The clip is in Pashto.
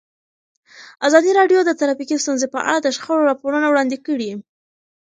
ازادي راډیو د ټرافیکي ستونزې په اړه د شخړو راپورونه وړاندې کړي.